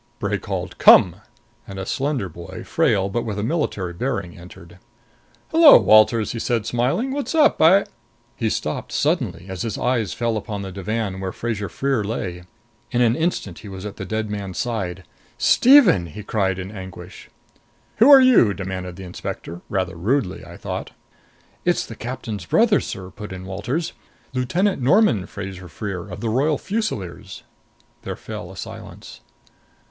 Bray called "Come!" and a slender boy, frail but with a military bearing, entered. "Hello, Walters!" he said, smiling. "What's up? I " He stopped suddenly as his eyes fell upon the divan where Fraser Freer lay. In an instant he was at the dead man's side. "Stephen!" he cried in anguish. "Who are you?" demanded the inspector rather rudely, I thought. "It's the captain's brother, sir," put in Walters. "Lieutenant Norman Fraser Freer, of the Royal Fusiliers." There fell a silence.